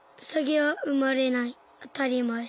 あたりまえ。